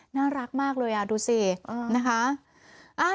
น่ารักมากเลยดูสินะคะ